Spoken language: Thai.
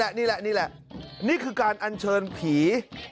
นี่แหละนี่แหละนี่คือการอัญเชิญผี